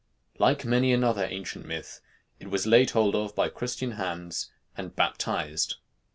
Like many another ancient myth, it was laid hold of by Christian hands and baptized.